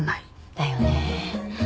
だよねえ。